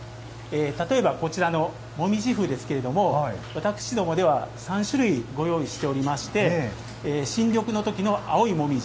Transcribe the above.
例えば、こちらの紅葉麩ですが私どもでは、３種類ご用意しておりまして新緑の時の青い紅葉。